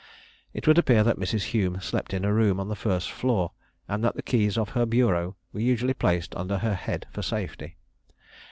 It would appear that Mrs. Hume slept in a room on the first floor, and that the keys of her bureau were usually placed under her head for safety.